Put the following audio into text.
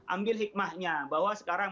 ambil hikmahnya bahwa sekarang